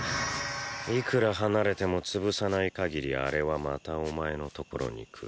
いくら離れても潰さない限りアレはまたお前の所に来る。